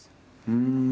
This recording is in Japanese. うん。